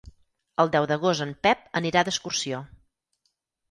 El deu d'agost en Pep anirà d'excursió.